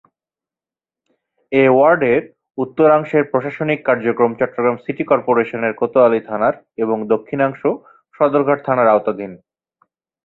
এ ওয়ার্ডের উত্তরাংশের প্রশাসনিক কার্যক্রম চট্টগ্রাম সিটি কর্পোরেশনের কোতোয়ালী থানার এবং দক্ষিণাংশ সদরঘাট থানার আওতাধীন।